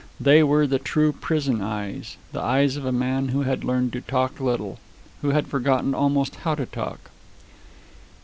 They were the true prison eyes the eyes of a man who had learned to talk little, who had forgotten almost how to talk.